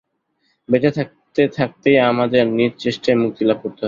বেঁচে থাকতে থাকতেই আমাদের নিজ চেষ্টায় মুক্তিলাভ করতে হবে।